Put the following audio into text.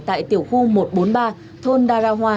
tại tiểu khu một trăm bốn mươi ba thôn đà ra hoa